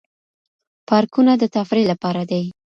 پارکونه د تفريح لپاره دي.